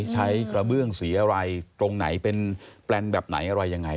กระเบื้องสีอะไรตรงไหนเป็นแปลนแบบไหนอะไรยังไง